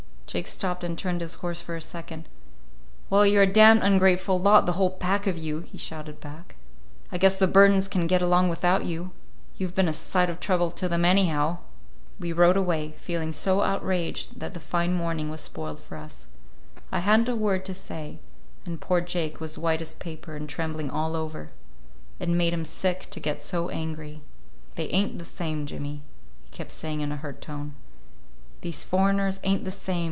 Jake stopped and turned his horse for a second. "Well, you're a damned ungrateful lot, the whole pack of you," he shouted back. "I guess the Burdens can get along without you. You've been a sight of trouble to them, anyhow!" We rode away, feeling so outraged that the fine morning was spoiled for us. I had n't a word to say, and poor Jake was white as paper and trembling all over. It made him sick to get so angry. "They ain't the same, Jimmy," he kept saying in a hurt tone. "These foreigners ain't the same.